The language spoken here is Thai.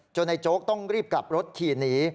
ในโจ๊กต้องรีบกลับรถขี่หนี